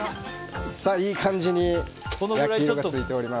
いい感じに焼き色がついております。